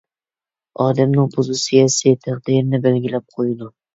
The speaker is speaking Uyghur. ئادەمنىڭ پوزىتسىيەسى تەقدىرىنى بەلگىلەپ قويىدۇ.